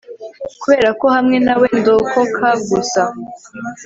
kuberako hamwe nawe ndokoka gusa